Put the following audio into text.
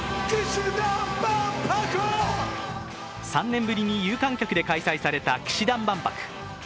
３年ぶりに有観客で開催された氣志團万博。